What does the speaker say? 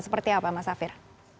seperti apa mas afiq